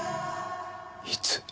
いつ？